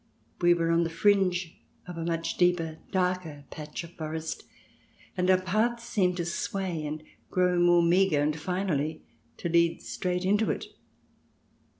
We were on the fringe of a much deeper, darker patch of forest, and our path seemed to sway and grow more meagre, and finally to lead straight into it.